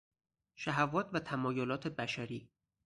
شهوات و تمایلات بشری